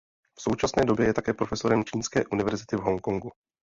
V současné době je také profesorem Čínské univerzity v Hongkongu.